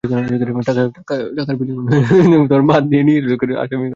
টাকার বিনিময়ে মূল আসামিদের বাদ দিয়ে নিরীহ লোকজনকে আসামি করা হচ্ছে।